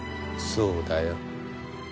そうだよ。